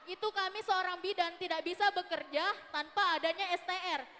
itu kami seorang bidan tidak bisa bekerja tanpa adanya str